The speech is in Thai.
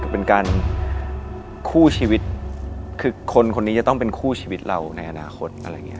เป็นการคู่ชีวิตคือคนคนนี้จะต้องเป็นคู่ชีวิตเราในอนาคต